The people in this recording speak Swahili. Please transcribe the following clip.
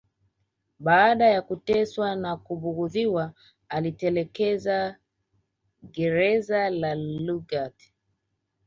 Baada ya kuteswa na kubughudhiwa aliliteketeza gereza la Lugard